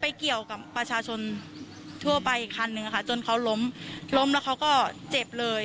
ไปเกี่ยวกับประชาชนทั่วไปอีกคันนึงค่ะจนเขาล้มล้มแล้วเขาก็เจ็บเลย